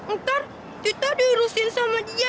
ntar kita diurusin sama dia